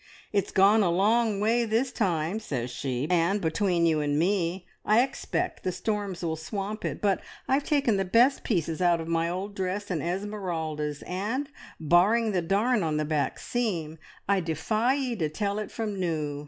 It's gone a long way this time,' says she, `and between you and me, I expect the storms will swamp it, but I've taken the best pieces out of my old dress and Esmeralda's, and, barring the darn on the back seam, I defy ye to tell it from new!'